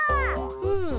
うん。